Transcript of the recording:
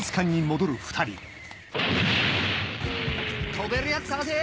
飛べるやつ探せ。